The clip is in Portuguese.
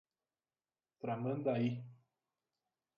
Tramandaí